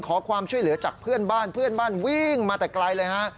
ขอความช่วยเหลือจากเพื่อนบ้านเพื่อนบ้านวิ่งมาแต่ไกลเลยฮะ